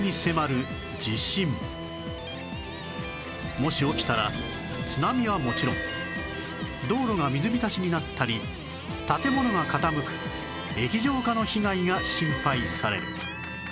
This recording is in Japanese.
もし起きたら津波はもちろん道路が水浸しになったり建物が傾く液状化の被害が心配される